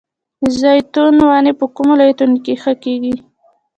د زیتون ونې په کومو ولایتونو کې ښه کیږي؟